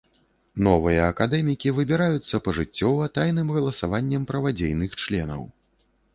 Новыя акадэмікі выбіраюцца пажыццёва, тайным галасаваннем правадзейных членаў.